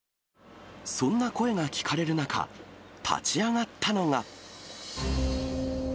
そんな声が聞かれる中、立ち上がったのが。